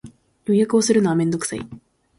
予約するのはめんどくさい